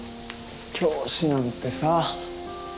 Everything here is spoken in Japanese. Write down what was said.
教師なんてさ。